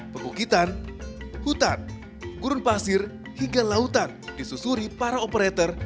pebukitan hutan gurun pasir hingga lautan disusuri para operator